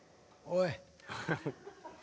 おい。